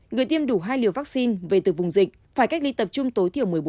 người tiêm đủ hai liều vaccine về từ vùng dịch phải cách ly tập trung tối thiểu một mươi bốn